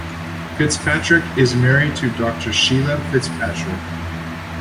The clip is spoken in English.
Fitzpatrick is married to Doctor Sheila Fitzpatrick.